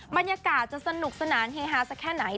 บรรยากาศจะสนุกสนานเฮฮาสักแค่ไหน